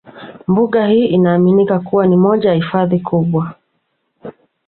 Mbuga hii inaaminika kuwa ni moja ya hifadhi kubwa